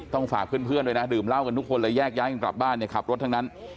ต้องฝากเพื่อนด้วยนะดื่มเหล้ากันทุกคนแล้วแยกย้ายกลับบ้านขับรถทั้งนั้น